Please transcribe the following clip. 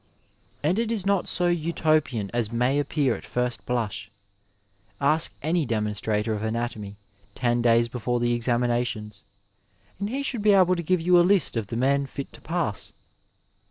And it is not so Utopian as may appear at first blush. Ask any demonstrator of anatomy ten days before the examinations, and he should be able to give you a list of the men fit to pass.